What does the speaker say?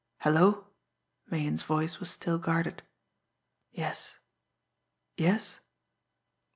"Hello!" Meighan's voice was still guarded. "Yes yes